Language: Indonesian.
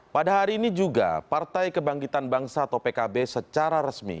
pada hari ini juga partai kebangkitan bangsa atau pkb secara resmi